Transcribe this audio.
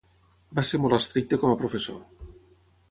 Va ser molt estricte com a professor.